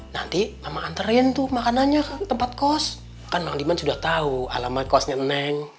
nanti mang anterin tuh makanannya ke tempat kos kan mang liman sudah tahu alamat kosnya neng